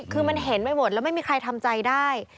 คือมันเห็นไปหมดแล้วไม่มีใครทำใจได้